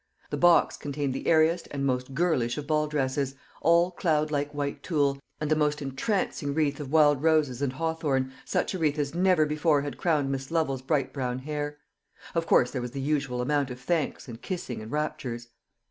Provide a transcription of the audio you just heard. The box contained the airiest and most girlish of ball dresses, all cloudlike white tulle, and the most entrancing wreath of wild roses and hawthorn, such a wreath as never before had crowned Miss Lovel's bright brown hair. Of course there was the usual amount of thanks and kissing and raptures.